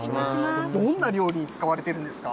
どんな料理に使われているんですか？